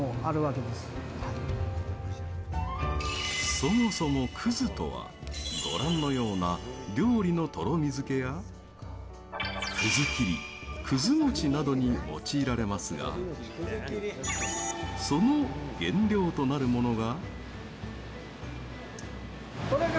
そもそも葛とは、ご覧のような料理のとろみ付けや、葛切り葛餅などに用いられますがその原料となるものが。